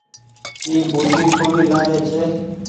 اي ٻوٽي ڪونيٚ لآۮي ڇي